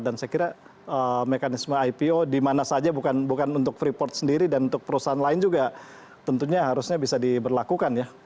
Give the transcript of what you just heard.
dan saya kira mekanisme ipo dimana saja bukan untuk freeport sendiri dan untuk perusahaan lain juga tentunya harusnya bisa diberlakukan ya